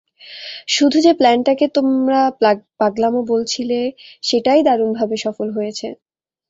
শুধু যে প্ল্যানটাকে তোমরা পাগলামো বলেছিলে সেটাই দারুণভাবে সফল হয়েছে।